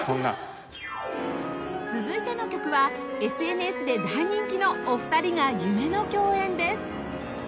続いての曲は ＳＮＳ で大人気のお二人が夢の共演です